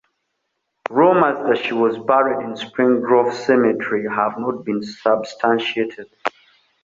Rumors that she was buried in Spring Grove Cemetery have not been substantiated.